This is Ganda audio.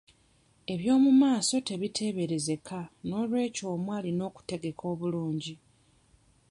Eby'omumaaso tebiteeberezeka; n'olwekyo omu alina okutegeka obulungi.